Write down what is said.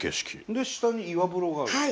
で下に岩風呂があるんですか？